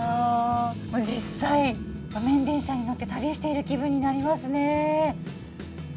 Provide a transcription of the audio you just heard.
実際、路面電車に乗って旅している気分になりますね。